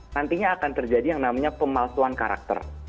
nantinya akan terjadi yang namanya pemalsuan karakter